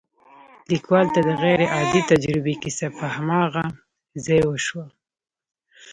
ليکوال ته د غير عادي تجربې کيسه په هماغه ځای وشوه.